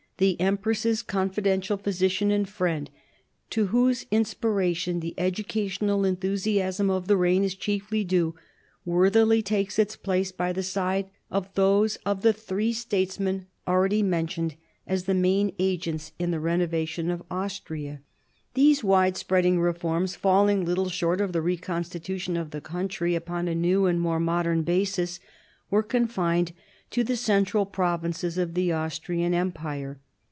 the empress's confidential physician and friend, to whose inspiration the educational enthusiasm of the reign is chiefly due, worthily takes its place by the side of those of the three statesmen already mentioned as the main agents in the renovation of Austria. These wide spreading reforms, falling little short of the reconstitution of the country upon a new and more modern basis, were confined to the central provinces of the Austrian empire.